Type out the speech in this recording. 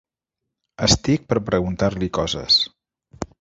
Estic per preguntar-li coses.